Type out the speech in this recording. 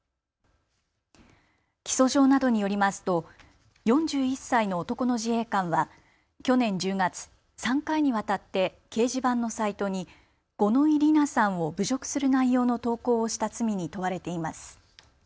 起訴状などによりますと４１歳の男の自衛官は去年１０月、３回にわたって掲示板のサイトに五ノ井里奈さんを侮辱する内容の投稿をした罪に問われています。